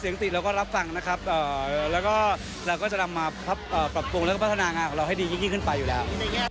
ติดเราก็รับฟังนะครับแล้วก็เราก็จะนำมาปรับปรุงแล้วก็พัฒนางานของเราให้ดียิ่งขึ้นไปอยู่แล้ว